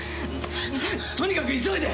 とにかく急いで！